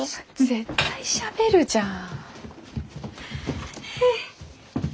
絶対しゃべるじゃん。